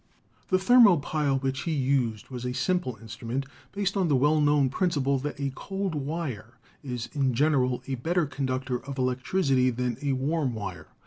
The thermopile which he used was a simple instrument based on the well known principle that a cold ii2 PHYSICS wire is, in general, a better conductor of electricity than a warm wire.